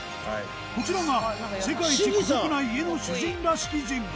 こちらが世界一孤独な家の主人らしき人物。